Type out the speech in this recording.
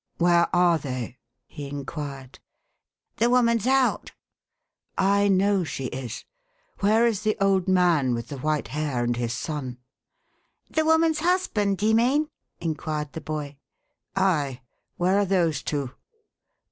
"Where are they ?" he inquired. "The woman's out." "I know she is. Where is the old man with the white hair, and his son ?"" The woman's husband, d'ye mean ?" inquired the boy. " Aye. Where are those two